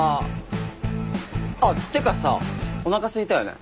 あってかさおなかすいたよね？